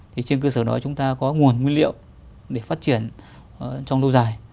thì trên cơ sở đó chúng ta có nguồn nguyên liệu để phát triển trong lâu dài